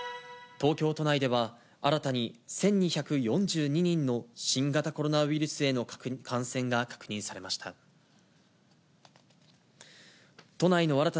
東京都内では、新たに１２４２人の新型コロナウイルスへの感染が確認されました。